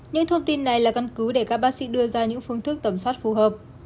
những thông tin này là căn cứ để các bác sĩ đưa ra những phương thức tầm soát phù hợp